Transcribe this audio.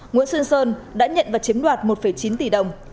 nguyễn xuân sơn đã nhận và chiếm đoạt một chín tỷ đồng